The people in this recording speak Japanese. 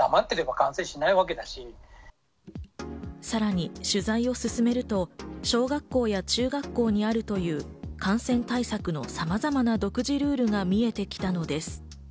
さらに取材を進めると小学校や中学校にあるという感染対策のさまざまな独自ルールが見えてきたのです。